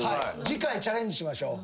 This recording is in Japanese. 次回チャレンジしましょう。